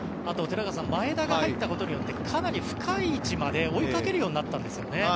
あと前田が入ったことでかなり深い位置まで追いかけるようになったんですよね。